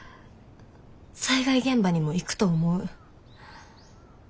災害現場にも行くと思う。